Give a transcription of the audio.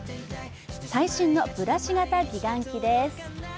最新のブラシ型美顔器です。